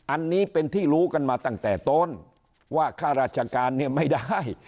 อันนี้เป็นที่รู้กันมาตั้งแต่ต้นว่าค่าราชการเนี่ยไม่ได้